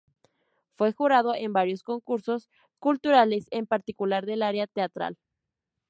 Fue jurado en varios concursos culturales, en particular del área teatral.